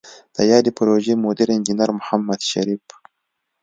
د یادې پروژې مدیر انجنیر محمد شریف